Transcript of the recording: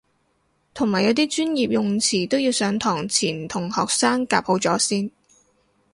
同埋有啲專業用詞都要上堂前同學生夾好咗先